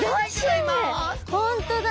本当だ！